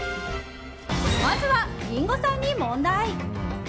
まずは、リンゴさんに問題。